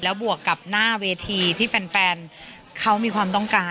บวกกับหน้าเวทีที่แฟนเขามีความต้องการ